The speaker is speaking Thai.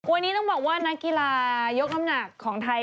วันนี้ต้องบอกว่านักกีฬายกน้ำหนักของไทย